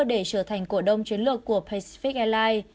để trở thành cổ đông chiến lược của pagefic airlines